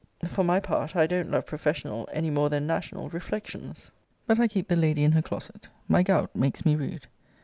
For my part, I don't love professional any more than national reflections. But I keep the lady in her closet. My gout makes me rude.